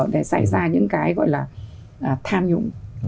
để xảy ra những cái gọi là tham nhũng